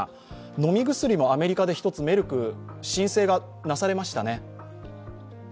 飲み薬もアメリカでメルク、申請がなされましたね。